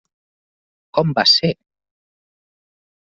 Com va ser?